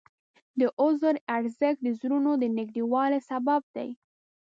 د عذر ارزښت د زړونو د نږدېوالي سبب دی.